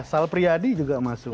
sal priadi juga masuk